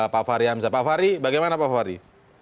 pak fahri hamzah pak fahri bagaimana pak fahri